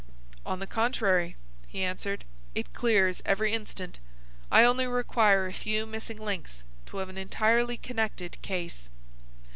"On the contrary," he answered, "it clears every instant. I only require a few missing links to have an entirely connected case."